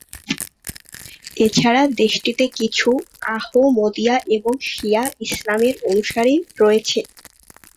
এছাড়া দেশটিতে কিছু আহমদিয়া এবং শিয়া ইসলামের অনুসারী রয়েছে।